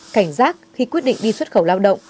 cảnh giác khi quyết định đi xuất khẩu lao động